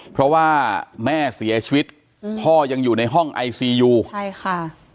เพราะว่าแม่เสียชีวิตอืมพ่อยังอยู่ในห้องไอซียูใช่ค่ะ